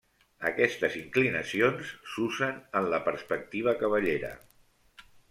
Aquestes inclinacions s'usen en la perspectiva cavallera.